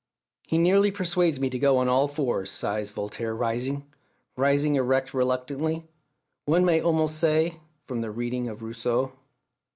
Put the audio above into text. "He nearly persuades me to go on all fours," sighs Voltaire rising rising erect reluctantly, one may almost say from the reading of Rousseau.